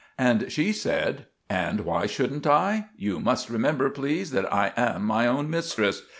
And she said: "And why shouldn't I? You must remember, please, that I am my own mistress.